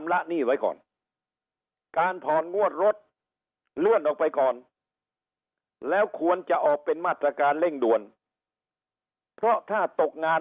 เล่งสั่งการไปถึงบริษัทประเภทเงินติดลงติดล่อทั้งหลาย